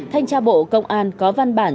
thanh tra bộ công an có văn bản